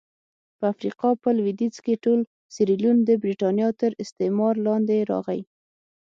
په افریقا په لوېدیځ کې ټول سیریلیون د برېټانیا تر استعمار لاندې راغی.